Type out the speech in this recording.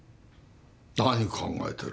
何考えてる？